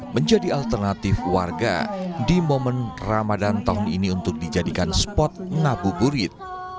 menjadi alternatif warga di momen ramadan tahun ini untuk dijadikan spot ngabuburit